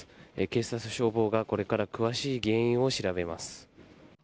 警察と消防がこれから詳しい原因を調べます。